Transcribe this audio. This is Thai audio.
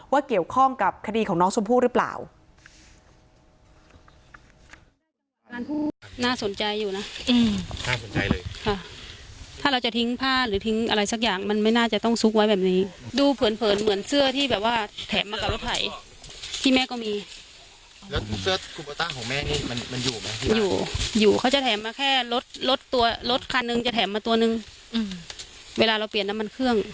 เกี่ยวข้องกับคดีของน้องชมพู่หรือเปล่า